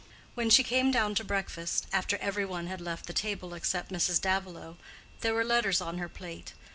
When she came down to breakfast (after every one had left the table except Mrs. Davilow) there were letters on her plate.